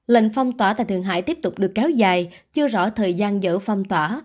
lệnh phong tỏa tại thường hải tiếp tục được kéo dài chưa rõ thời gian dỡ phong tỏa